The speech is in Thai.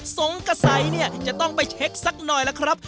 ทรงกษัยนี่จะต้องไปเช็กสักหน่อยแล้วครับ